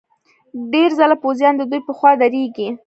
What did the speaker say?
ډېر ځله پوځیان ددوی په خوا درېږي.